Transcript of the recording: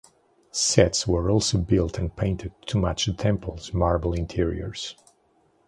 Sets were also built and painted to match the Temple's marble interiors.